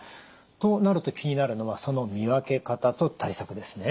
となると気になるのはその見分け方と対策ですね。